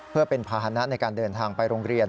เพื่อเป็นภาษณะในการเดินทางไปโรงเรียน